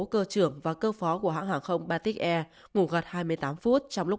cơ trưởng và cơ phó của hãng hàng không baltic air ngủ gật hai mươi tám phút trong lúc